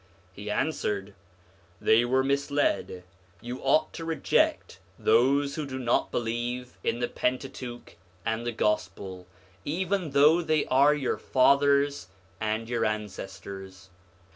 He answered, 'They were misled; you ought to reject those who do not believe in the Pentateuch and the Gospel, even though they are your fathers and your ancestors.'